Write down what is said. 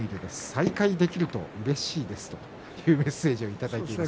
再会できるとうれしいですというメッセージをいただきました。